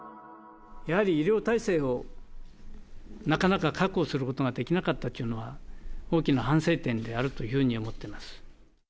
やはり医療体制をなかなか確保することができなかったっていうのは、大きな反省点であるというふうに思っております。